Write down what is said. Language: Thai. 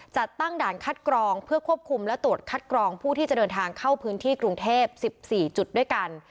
จัดตั้งด่านคัดกรองเพื่อควบคุมและตรวจคัดกรองผู้ที่จะเดินทางเข้าพื้นที่กรุงเทพ๑๔จุดด้วยกัน